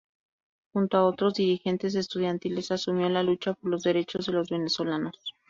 Junto a otros dirigentes estudiantiles asumió la lucha por los derechos de los venezolanos.